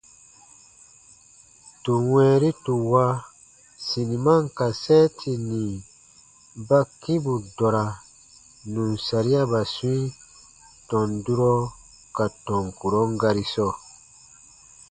Tù wɛ̃ɛri tù wa siniman kasɛɛti nì ba kĩ bù dɔra nù n sariaba swĩi tɔn durɔ ka tɔn kurɔn gari sɔɔ.